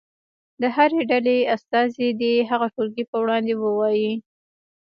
د هرې ډلې استازی دې هغه ټولګي په وړاندې ووایي.